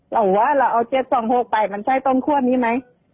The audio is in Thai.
เราว่าเราเอา๗๒๖๘มันใช้ตรงข้วนนี้ไหม